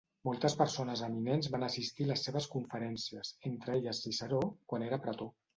Moltes persones eminents van assistir les seves conferències, entre elles Ciceró, quan era pretor.